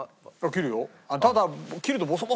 切るよ。